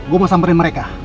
gue mau samperin mereka